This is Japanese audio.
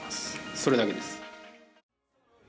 それだけです。